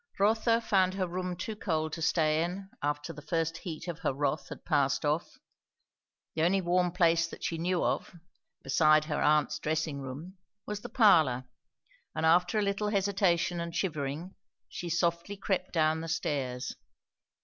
Rotha found her room too cold to stay in, after the first heat of her wrath had passed off. The only warm place that she knew of, beside her aunt's dressing room, was the parlour; and after a little hesitation and shivering, she softly crept down the stairs.